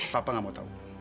papa gak mau tahu